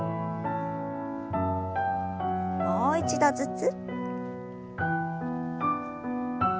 もう一度ずつ。